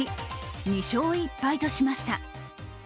２勝１敗としました。